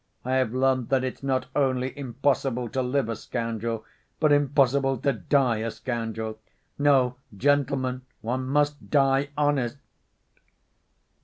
I have learnt that it's not only impossible to live a scoundrel, but impossible to die a scoundrel.... No, gentlemen, one must die honest...."